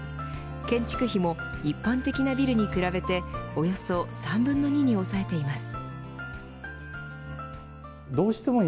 建築費も一般的なビルに比べておよそ３分の２に抑えています。